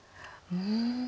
うん。